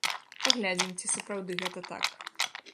Паглядзім, ці сапраўды гэта так.